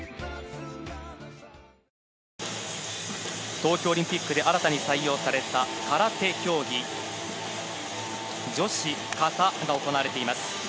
東京オリンピックで新たに採用された空手競技、女子・形が行われています。